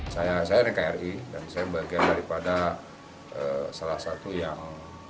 saya rkiri dan saya beragam daripada salah satu yang